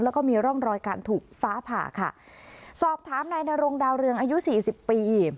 แล้วก็มีร่องรอยการถูกฟ้าผ่าค่ะสอบถามนายนรงดาวเรืองอายุสี่สิบปี